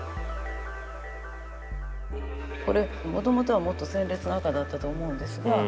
これもともとはもっと鮮烈な赤だったと思うんですが。